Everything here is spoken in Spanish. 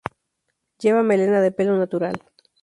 Lleva melena de pelo natural.